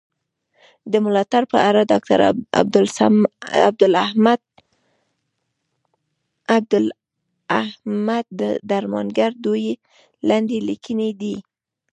د ملاتړ په اړه د ډاکټر عبدالمحمد درمانګر دوې لنډي ليکني.